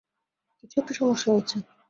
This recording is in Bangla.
কিছু একটা সমস্যা হয়েছে।